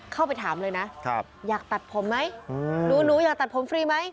เข้าไปถามเลยนะอยากตัดผมไหมหนูอยากตัดผมฟรีไหม